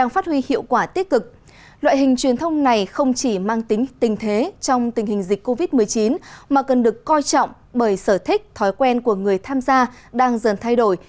phát huy hiệu quả tích cực loại hình truyền thông này không chỉ mang tính tình thế trong tình hình dịch covid một mươi chín mà cần được coi trọng bởi sở thích thói quen của người tham gia đang dần thay đổi